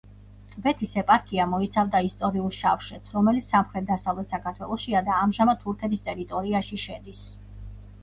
ტბეთის ეპარქია მოიცავდა ისტორიულ შავშეთს, რომელიც სამხრეთ დასავლეთ საქართველოშია და ამჟამად თურქეთის ტერიტორიაში შედის.